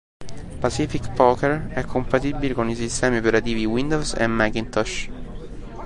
Pacific Poker è compatibile con i sistemi operativi Windows e Macintosh.